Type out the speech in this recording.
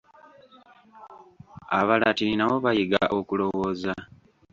Abalatini nabo bayiga okulowooza.